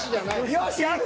よしある！